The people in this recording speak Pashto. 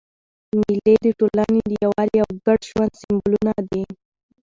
مېلې د ټولني د یووالي او ګډ ژوند سېمبولونه دي.